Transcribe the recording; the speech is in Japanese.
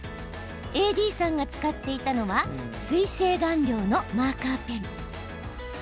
ＡＤさんが使っていたのは水性顔料のマーカーペン。